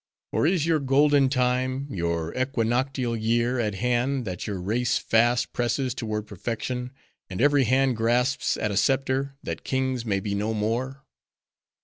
Or, is your golden time, your equinoctial year, at hand, that your race fast presses toward perfection; and every hand grasps at a scepter, that kings may be no more?"